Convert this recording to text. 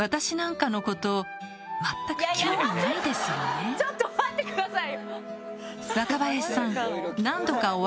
サブリナちょっと待ってください！